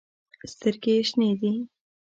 سترګې ېې شنې دي